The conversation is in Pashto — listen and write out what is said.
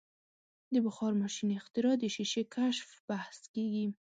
د بخار ماشین اختراع د شیشې کشف بحث کیږي.